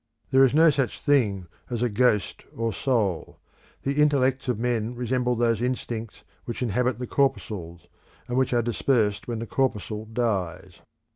There is no such thing as a ghost or soul; the intellects of men resemble those instincts which inhabit the corpuscules, and which are dispersed when the corpuscule dies.